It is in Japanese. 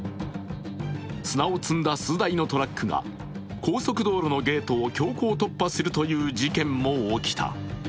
砂を積んだ数台のトラックが高速道路のゲートを強行突破するという事件も起きた。